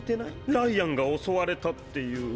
ライアンが襲われたっていう。